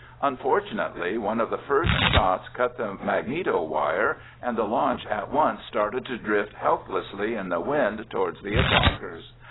Unfortunately one of the first shots cut the magneto wire, and the launch at once started to drift helplessly in the wind towards the attackers.